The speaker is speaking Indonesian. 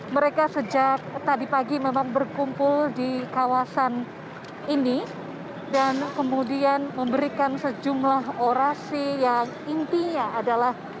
mereka sejak tadi pagi memang berkumpul di kawasan ini dan kemudian memberikan sejumlah orasi yang intinya adalah